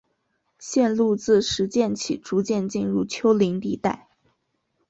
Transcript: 线路自石涧起逐渐进入丘陵地带。